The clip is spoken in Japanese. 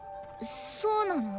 そうなの。